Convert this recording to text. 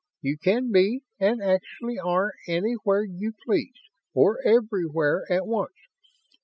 You can be and actually are anywhere you please or everywhere at once.